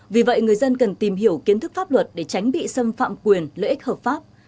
vì vậy người dân cần tìm hiểu kiến thức pháp luật để tránh bị xâm phạm quyền lợi ích hợp pháp